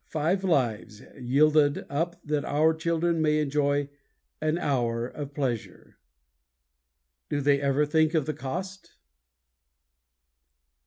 Five lives yielded up that our children may enjoy an hour of pleasure! Do they ever think of the cost?